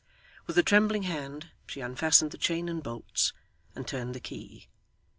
With a trembling hand she unfastened the chain and bolts, and turned the key.